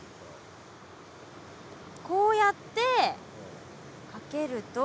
こうやってかけると。